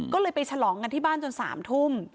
ก็เลยไปฉลองกันที่บ้านจน๓ทุ่ม